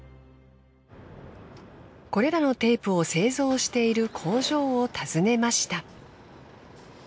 これらのテープを製造している工場を訪ねました。